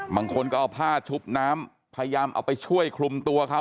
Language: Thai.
บางคนก็เอาผ้าชุบน้ำพยายามเอาไปช่วยคลุมตัวเขา